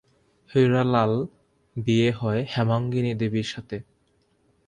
হীরালাল বিয়ে হয় হেমাঙ্গিনী দেবীর সাথে।